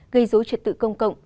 gây dối trật tự công cộng